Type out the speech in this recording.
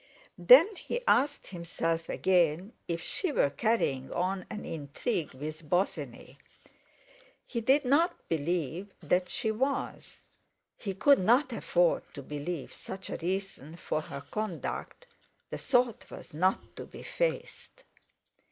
Then he asked himself again if she were carrying on an intrigue with Bosinney. He did not believe that she was; he could not afford to believe such a reason for her conduct—the thought was not to be faced.